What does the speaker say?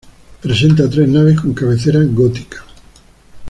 Presenta tres naves con cabecera gótica.